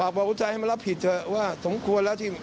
บอกหัวใจให้มารับผิดเถอะว่าสมควรแล้วที่